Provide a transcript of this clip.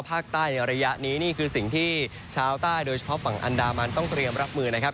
ในระยะนี้นี่คือสิ่งที่ชาวใต้โดยเฉพาะฝั่งอันดามันต้องเตรียมรับมือนะครับ